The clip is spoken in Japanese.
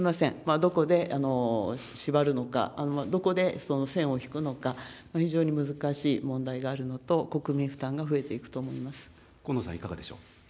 どこで縛るのか、どこでその線を引くのか、非常に難しい問題があるのと、国民負担が増えていくと河野さん、いかがでしょう。